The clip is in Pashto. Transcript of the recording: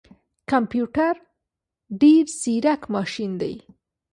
کمپيوټر ډیر ځیرک ماشین دی